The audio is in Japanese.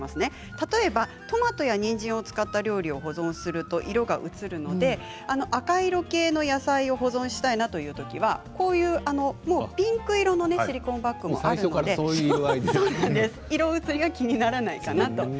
例えばトマトやにんじんを使った料理を保存すると色が移るので赤色系の野菜を保存したいというときはピンク色のシリコンバッグもあるので色移りが気にならないかなと。